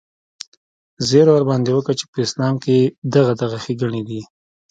زيرى ورباندې وکه چې په اسلام کښې دغه دغه ښېګڼې دي.